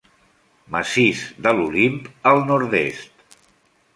Massís de l'Olimp al nord-est.